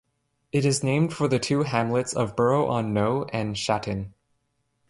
It is named for the two hamlets of Brough-on-Noe and Shatton.